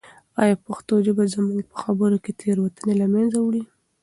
آیا پښتو ژبه زموږ په خبرو کې تېروتنې له منځه وړي؟